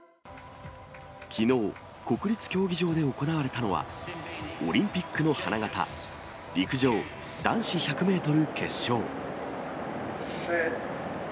きのう、国立競技場で行われたのはオリンピックの花形、陸上男子１００メートル決勝。